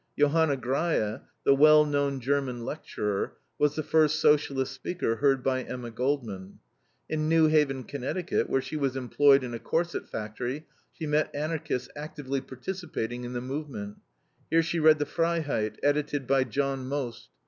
Johanna Greie, the well known German lecturer, was the first Socialist speaker heard by Emma Goldman. In New Haven, Conn., where she was employed in a corset factory, she met Anarchists actively participating in the movement. Here she read the FREIHEIT, edited by John Most.